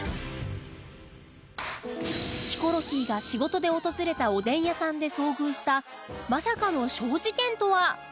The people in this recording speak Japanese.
ヒコロヒーが仕事で訪れたおでん屋さんで遭遇したまさかの小事件とは？